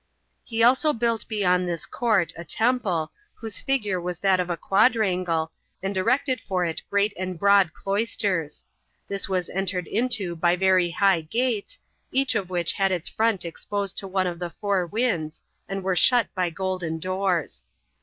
He also built beyond this court a temple, whose figure was that of a quadrangle, and erected for it great and broad cloisters; this was entered into by very high gates, each of which had its front exposed to one of the [four] winds, and were shut by golden doors.